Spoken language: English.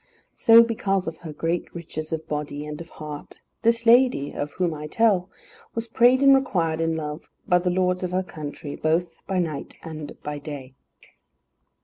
So because of her great riches of body and of heart, this lady of whom I tell, was prayed and required in love by the lords of her country, both by night and by day.